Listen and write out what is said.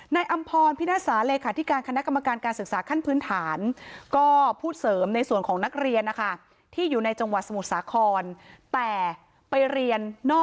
ในอำพรพินาทสาห์เลขาธิการคณะกรรมการการศึกษาขั้นพื้น